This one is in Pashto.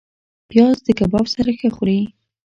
پیاز د کباب سره ښه خوري